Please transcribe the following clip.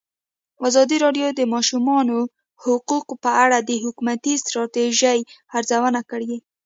ازادي راډیو د د ماشومانو حقونه په اړه د حکومتي ستراتیژۍ ارزونه کړې.